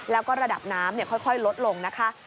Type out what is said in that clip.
แล้วก็ระดับน้ำค่อยลดลงนะคะ